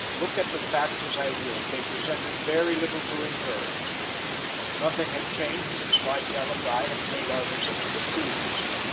Look at the facts as I would, they presented very little to encourage. Nothing had changed since Littell and I had paid our visit to the Tombs.